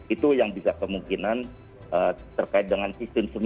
itu yang bisa kemungkinan terkait dengan penyebaran covid